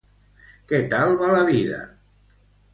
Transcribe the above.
Què tal va la vida?